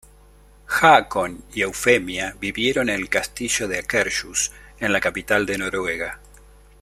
Haakon y Eufemia vivieron en el Castillo de Akershus, en la capital de Noruega.